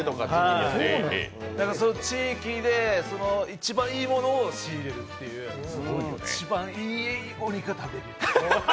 その地域で一番いいものを仕入れるという一番、いいお肉が食べれる。